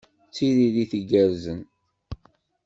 D tiririt igerrzen.